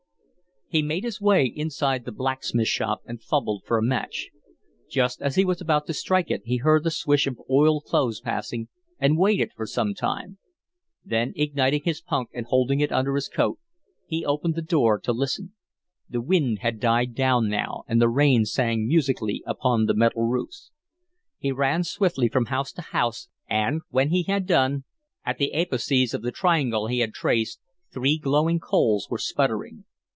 He made his way inside the blacksmith shop and fumbled for a match. Just as he was about to strike it he heard the swish of oiled clothes passing, and waited for some time. Then, igniting his punk and hiding it under his coat, he opened the door to listen. The wind had died down now and the rain sang musically upon the metal roofs. He ran swiftly from house to house, and, when he had done, at the apices of the triangle he had traced three glowing coals were sputtering.